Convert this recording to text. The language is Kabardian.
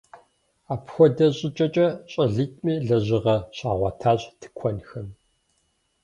Апхуэдэ щӏыкӏэкӏэ щӏалитӏми лэжьыгъэ щагъуэтащ тыкуэнхэм.